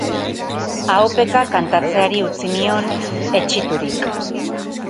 Ahopeka kantatzeari utzi nion, etsiturik.